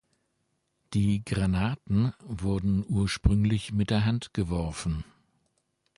Die "Granaten" wurden ursprünglich mit der Hand geworfen.